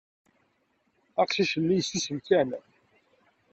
Aqcic-nni yessusem kan.